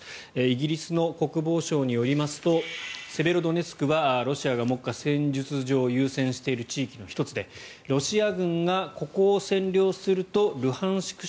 イギリスの国防省によりますとセベロドネツクはロシアが目下、戦術上優先している地域の１つでロシア軍がここを占領するとルハンシク